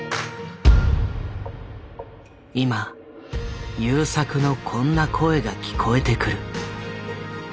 今優作のこんな声が聞こえてくる。